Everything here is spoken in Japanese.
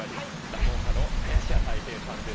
落語家の林家たい平さんです。